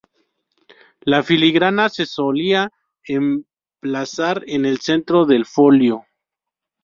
La filigrana se solía emplazar en el centro del folio.